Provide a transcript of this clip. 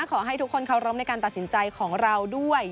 ขอให้ทุกคนเคารพในการตัดสินใจของเราด้วย